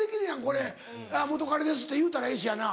「これ元カレです」って言うたらええしやな。